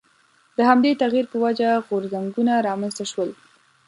د همدې تغییر په وجه غورځنګونه رامنځته شول.